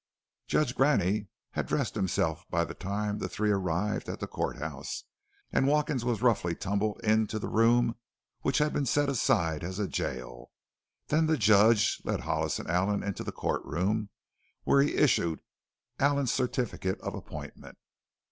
Judge Graney had dressed himself by the time the three arrived at the court house and Watkins was roughly tumbled into the room which had been set aside as the jail. Then the judge led Hollis and Allen into the court room where he issued Allen's certificate of appointment.